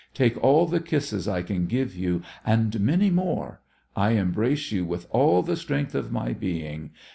Take all the kisses I can give you and many more. I embrace you with all the strength of my being.